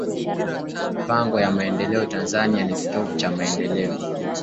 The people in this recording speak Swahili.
Mipango ya maendeleo Tanzania ni Kitovu Cha Maendeleo